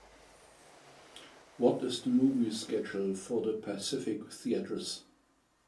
What is the movie schedule for the Pacific Theatres